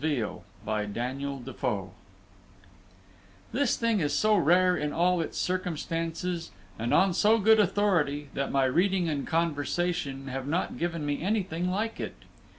VEAL Daniel Defoe (1661 1731) This thing is so rare in all its circumstances, and on so good authority, that my reading and conversation have not given me anything like it.